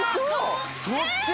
そっち？